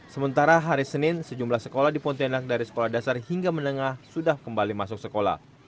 sementara hari senin sejumlah sekolah di pontianak dari sekolah dasar hingga menengah sudah kembali masuk sekolah